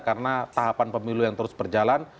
karena tahapan pemilu yang terus berjalan